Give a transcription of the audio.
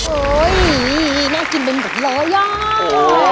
โอ๊ยน่ากินไปหมดเลยอ้าว